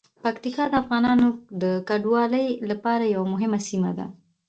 پکتیا د افغانانو د کډوالۍ لپاره یوه مهمه سیمه ده.